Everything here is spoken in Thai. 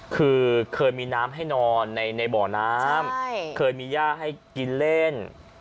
คือเคยมีน้ำให้นอนในบ่อน้ำเคยมีย่าให้กินเล่น